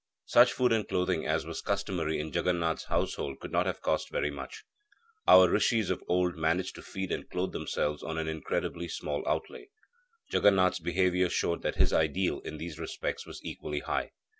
Such food and clothing as was customary in Jaganath's household could not have cost very much. Our rishis of old managed to feed and clothe themselves on an incredibly small outlay. Jaganath's behaviour showed that his ideal in these respects was equally high.